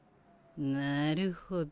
なるほど。